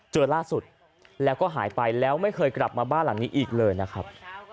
เจอล่าสุดแล้วก็หายไปแล้วไม่เคยกลับมาบ้านหลังนี้อีกเลยนะครับ